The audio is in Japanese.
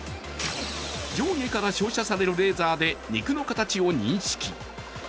上下から照射されるレーザーで肉の形を認識。